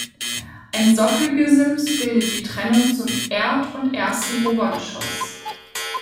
Ein Sockelgesims bildet die Trennung zum Erd- und ersten Obergeschoss.